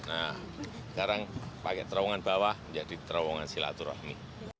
nah sekarang pakai terowongan bawah menjadi terowongan silaturahmi